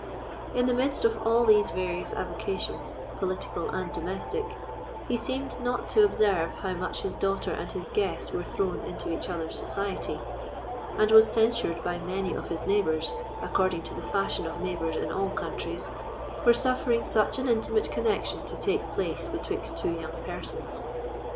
In the midst of all these various avocations, political and domestic, he seemed not to observe how much his daughter and his guest were thrown into each other's society, and was censured by many of his neighbours, according to the fashion of neighbours in all countries, for suffering such an intimate connexion to take place betwixt two young persons.